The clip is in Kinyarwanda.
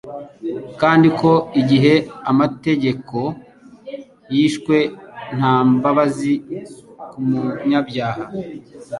kandi ko igihe amategeko yishwe, nta mbabazi ku munyabyaha.